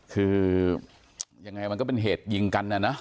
คือยังไงมันก็เป็นเหตุยิงกันนะนะ